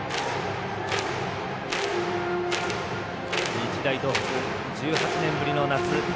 日大東北、１８年ぶりの夏。